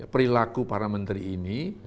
perilaku para menteri ini